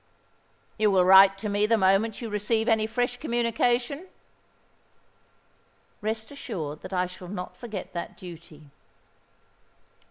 "You will write to me the moment you receive any fresh communication?" "Rest assured that I shall not forget that duty."